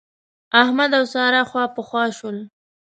احمد او سارا خواپخوا شول.